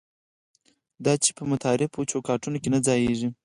دا چې په متعارفو چوکاټونو کې نه ځایېږي.